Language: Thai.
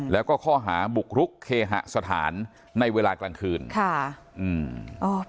แล้วก็ข้อหาบุกรุกเคหสถานในเวลากลางคืนค่ะอืมอ๋อ